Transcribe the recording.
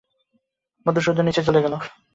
মধুসূদন নীচে চলে গেল।